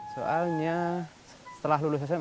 soalnya setelah lulus sma